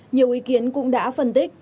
nhiều ý kiến cũng đã phân tích